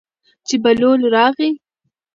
چې بهلول راغی.